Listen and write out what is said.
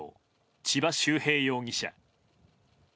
千葉修平容疑者。